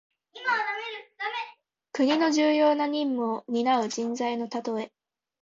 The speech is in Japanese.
国の重要な任務をになう人材のたとえ。